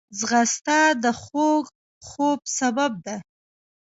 ځغاسته د خوږ خوب سبب ده